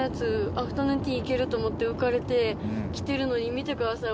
アフタヌーンティー行けると思って浮かれて着てるのに見てください。